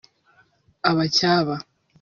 abacyaba